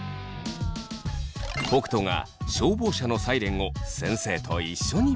北斗が消防車のサイレンを先生と一緒に。